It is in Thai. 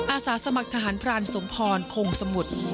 อาสาสมัครทหารพรานสมพรคงสมุทร